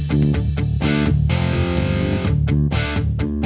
aku mau ke sana